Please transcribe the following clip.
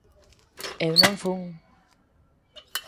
Eu non fun